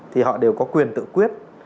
thì họ đều có quyền tự quyết